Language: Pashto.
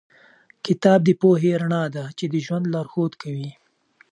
کتاب د پوهې رڼا ده چې د ژوند لارښود کوي.